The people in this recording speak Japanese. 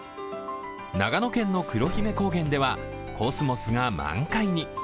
長野県の黒姫高原ではコスモスが満開に。